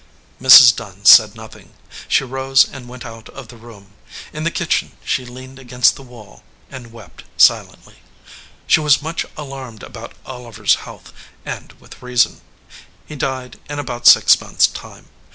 Mrs. Dunn said nothing. She rose and went out of the room. In the kitchen she leaned against the wall and wept silently. She was much alarmed about Oliver s health, and with reason. He died in about six months time.